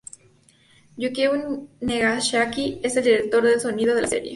Yukio Nagasaki es el director de sonido de la serie.